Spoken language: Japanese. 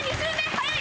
早い！